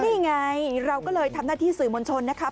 นี่ไงเราก็เลยทำหน้าที่สื่อมวลชนนะครับ